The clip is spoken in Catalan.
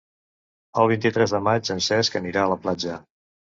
El vint-i-tres de maig en Cesc anirà a la platja.